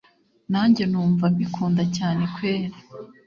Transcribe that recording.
nange numva mbikunda cyane kweri